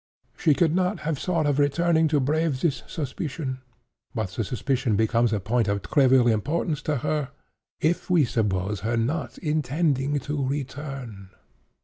She could not have thought of returning to brave this suspicion; but the suspicion becomes a point of trivial importance to her, if we suppose her not intending to return.